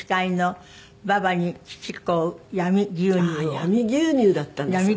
闇牛乳だったんですかね。